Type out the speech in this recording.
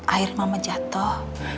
akhirnya mama jatuh